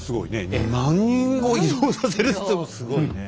２万人を移動させるっつってもすごいね。